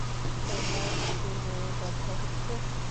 তোমার কনুইয়ে ব্যথা হচ্ছে?